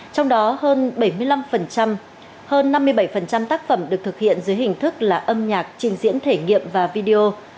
trong đó hơn bảy mươi năm hơn năm mươi bảy tác phẩm được thực hiện dưới hình thức là âm nhạc trình diễn thể nghiệm và video